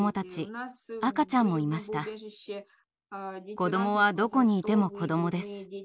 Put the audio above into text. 子どもはどこにいても子どもです。